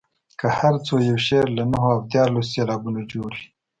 که هر څو یو شعر له نهو او دیارلسو سېلابونو جوړ وي.